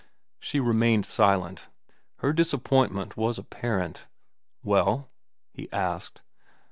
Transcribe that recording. She remained silent; her disappointment was apparent. "Well?" he asked.